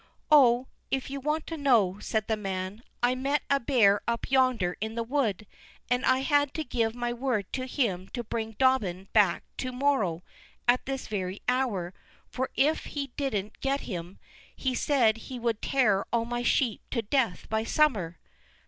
"Oh, if you want to know," said the man, "I met a bear up yonder in the wood, and I had to give my word to him to bring Dobbin back to morrow, at this very hour; for if he didn't get him, he said he would tear all my sheep to death by summer."